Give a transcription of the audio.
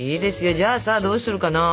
じゃあさどうするかなあ。